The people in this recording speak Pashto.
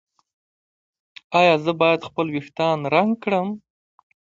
ایا زه باید خپل ویښتان رنګ کړم؟